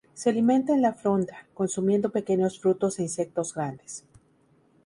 Se alimenta en la fronda, consumiendo pequeños frutos e insectos grandes.